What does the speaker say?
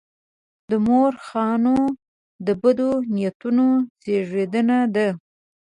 د مورخانو د بدو نیتونو زېږنده ده.